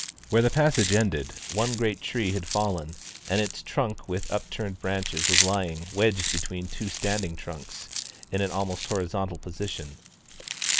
Where the passage ended, one great tree had fallen, and its trunk with upturned branches was lying, wedged between two standing trunks, in an almost horizontal position.